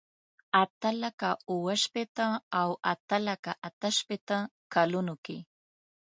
اته لکه اوه شپېته او اته لکه اته شپېته کلونو کې.